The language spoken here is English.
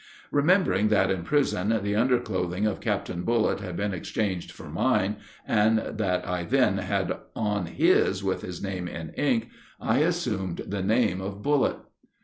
Remembering that in prison the underclothing of Captain Bullitt had been exchanged for mine, and that I then had on his with his name in ink, I assumed the name of Bullitt.